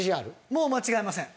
もう間違えません！